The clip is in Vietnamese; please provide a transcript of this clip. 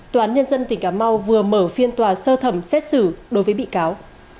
tòa án nhân dân tỉnh cà mau vừa mở phiên tòa sơ thẩm xét xử đối với bị cáo